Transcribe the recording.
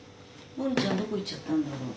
ボニーちゃんどこ行っちゃったんだろう。